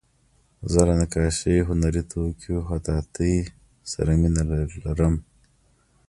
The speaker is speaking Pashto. زه له نقاشۍ، هنري توکیو، خطاطۍ سره مینه لرم.